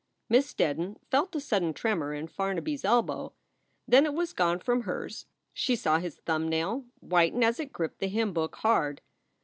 Miss Steddon felt a sudden tremor in Farnaby s elbow; then it was gone from hers; she saw his thumb nail whiten as it gripped the hymn book hard.